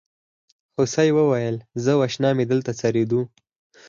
هوسۍ وویل زه او اشنا مې دلته څریدو.